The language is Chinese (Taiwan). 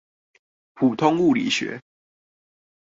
普通物理學